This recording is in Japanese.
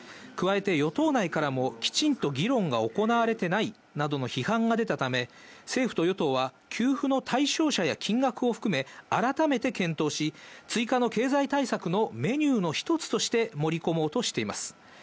加えて与党内からも、きちんと議論が行われてないなどの批判が出たため、政府と与党は給付の対象者や金額を含め、改めて検討し、追加の経済対策のメニューの一つとして盛り込もうとしています。